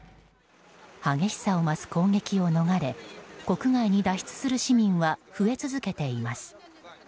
激しさを増す攻撃を逃れ国外に脱出する市民は増え続けています。